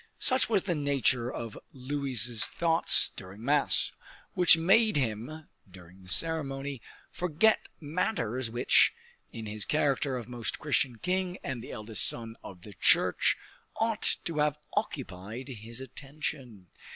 Such was the nature of Louis's thoughts during mass; which made him, during the ceremony, forget matters which, in his character of Most Christian King and of the eldest son of the Church, ought to have occupied his attention.